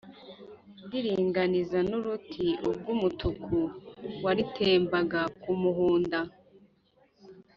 Ndiringaniza n’uruti, ubwo umutuku walitembaga ku muhunda.